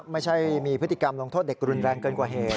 ไม่ใช่มีพฤติกรรมลงโทษเด็กรุนแรงเกินกว่าเหตุ